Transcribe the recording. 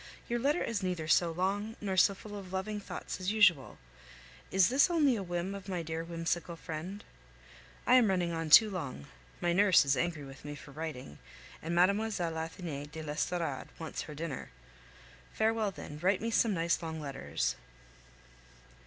Your letter is neither so long nor so full of loving thoughts as usual. Is this only a whim of my dear whimsical friend? I am running on too long. My nurse is angry with me for writing, and Mlle. Athenais de l'Estorade wants her dinner. Farewell, then; write me some nice long letters.